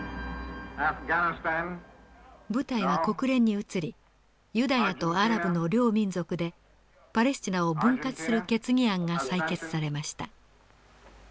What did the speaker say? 舞台は国連に移りユダヤとアラブの両民族でパレスチナを分割する決議案が採決されました。